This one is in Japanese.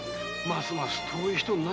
ますます遠い人だ。